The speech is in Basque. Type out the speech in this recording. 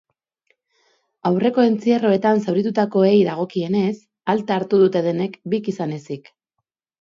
Aurreko entzierroetan zauritutakoei dagokienez, alta hartu dute denek, bik izan ezik.